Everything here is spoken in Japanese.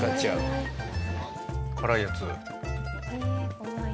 辛いやつ。